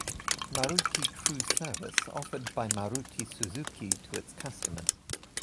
Maruti True service offered by Maruti Suzuki to its customers.